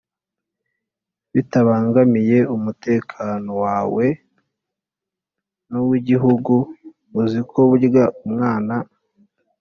bitabangamiye umutekano wawe n'uw'igihugu. uzi ko burya umwana